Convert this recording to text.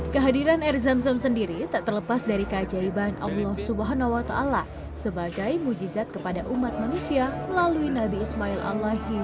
kehadiran air zam zam sendiri tak terlepas dari keajaiban allah swt sebagai mujizat kepada umat manusia melalui nabi ismail allah